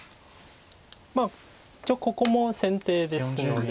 まあ一応ここも先手ですので。